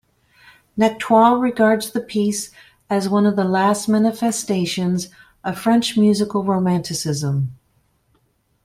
Nectoux regards the piece as one of the last manifestations of French musical Romanticism.